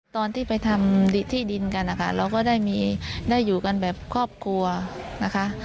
ตอนที่ไปทำที่ดินกันนะคะเราก็ได้อยู่กันแบบครอบครัวนะคะ